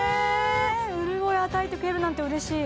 潤い与えてくれるなんてうれしい！